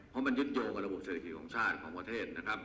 เพราะมันยึดโยงกับระบบเศรษฐีของชาติของประเทศนะครับ